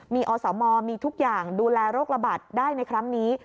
มีอสมมีทุกอย่างดูแลโรคระบาดได้ในครั้งนี้